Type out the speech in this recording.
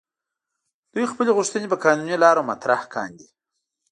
دوی خپلې غوښتنې په قانوني لارو مطرح کاندي.